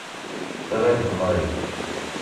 Tettraǧu Mary.